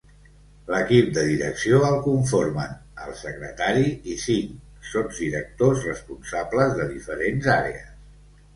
L'equip de direcció el conformen el secretari i cinc sotsdirectors responsables de diferents àrees.